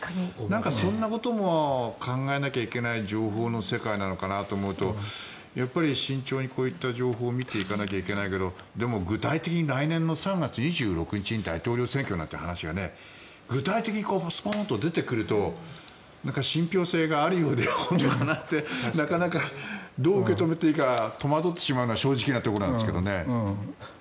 そんなことも考えなきゃいけない情報の世界なのかなと思うとやっぱり慎重にこういった情報を見ていかないといけないけどでも具体的に来年の３月２６日に大統領選挙なんていう話が具体的にスポンと出てくると信ぴょう性があるようでなかなかどう受け止めていいか戸惑ってしまうのは正直なところですがね。